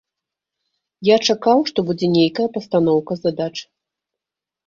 Я чакаў, што будзе нейкая пастаноўка задач.